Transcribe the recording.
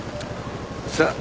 さあ